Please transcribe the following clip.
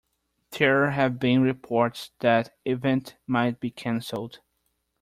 There have been reports the event might be canceled.